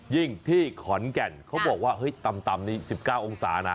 ยิ่งที่ขอนแก่นเขาบอกว่าเฮ้ยตำตำนี้สิบเก้าองศานะ